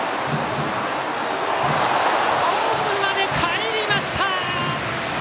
ホームまでかえりました！